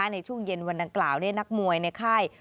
ในช่วงเย็นวันดังกล่าวได้นักมวยในค่าย